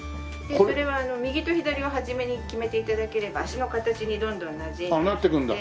それは右と左を初めに決めて頂ければ足の形にどんどんなじんで。